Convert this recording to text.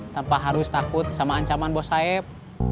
tanpa harus takut sama ancaman bos saif